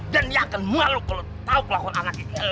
dan dia akan malu kalo tau kelakuan anak ini